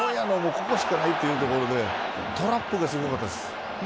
ここしかないというところでトラップがすごかったです。